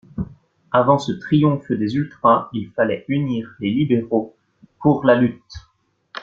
Avant ce triomphe des ultras, il fallait unir les libéraux pour la lutte.